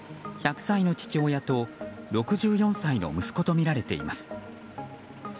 １００歳の父親と６４歳の息子とみられています。